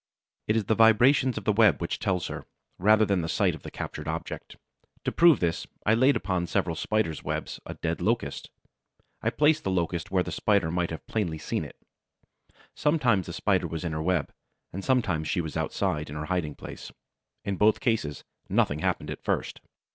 It is the vibration of the web which tells her, rather than the sight of the captured object. To prove this, I laid upon several Spiders' webs a dead Locust. I placed the Locust where the Spider might have plainly seen it. Sometimes the Spider was in her web, and sometimes she was outside, in her hiding place. In both cases, nothing happened at first.